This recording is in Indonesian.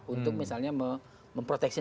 untuk misalnya memproteksi